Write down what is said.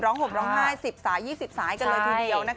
ห่มร้องไห้๑๐สาย๒๐สายกันเลยทีเดียว